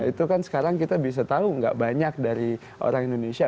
itu kan sekarang kita bisa tahu nggak banyak dari orang indonesia